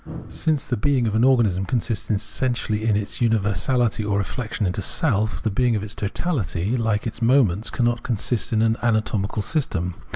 Since the being of an organism consists essentially in universahty, or reflexion into self, the being of its totahty, like its moments, cannot consist in an anatomical system.